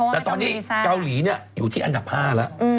แต่ตอนนี้เกาหลีอยู่ที่อันดับ๕แล้ว